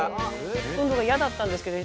運動が嫌だったんですけど。